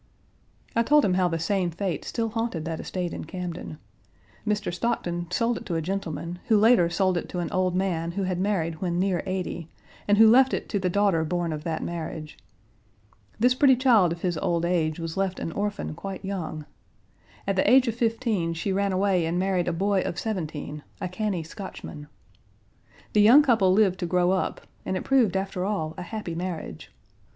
I told him how the same fate still haunted that estate in Camden. Mr. Stockton sold it to a gentleman, who later sold it to an old man who had married when near eighty, and who left it to the daughter born of that marriage. This pretty child of his old age was left an orphan quite young. At the age of fifteen, she ran away and married a boy of seventeen, a canny Scotchman. The young couple lived to grow up, and it proved after all a happy marriage.